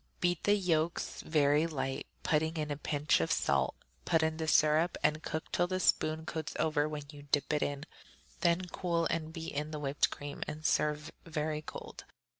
Beat the yolks very light, putting in a pinch of salt; put in the syrup and cook till the spoon coats over when you dip it in; then cool and beat in the whipped cream, and serve very cold.